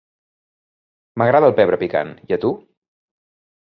M'agrada el pebre picant, i a tu?